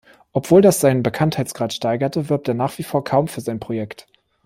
Obwohl das seinen Bekanntheitsgrad steigerte, wirbt er nach wie vor kaum für sein Projekt.